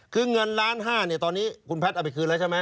คือเงินล้านห้าเนี่ยตอนนี้คุณแพทย์เอาไปคืนแล้วใช่ไหม